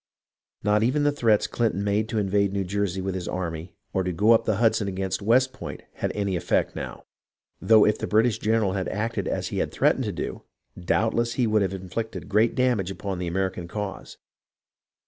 Not even the threats Clinton made to invade New Jersey with his army or to go up the Hudson against West Point had any effect now, though if the British gen eral had acted as he threatened to do, doubtless he would have inflicted great damage upon the American cause.